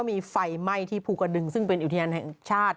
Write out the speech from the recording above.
มีไฟไหม้ที่ภูกระดึงซึ่งเป็นอุทยานแห่งชาติ